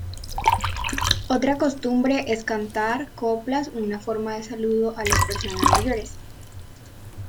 Otra costumbre es cantar coplas una forma de saludo a las personas mayores.